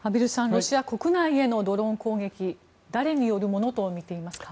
ロシア国内へのドローン攻撃誰によるものと見ていますか。